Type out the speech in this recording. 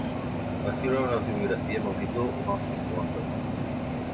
Va escriure una autobiografia amb el títol "One Hit Wonder".